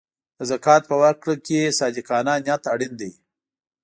د زکات په ورکړه کې صادقانه نیت اړین دی.